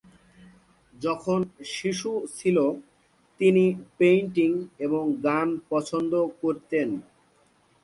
যখন শিশু ছিল, তিনি পেইন্টিং এবং গান পছন্দ করতেন।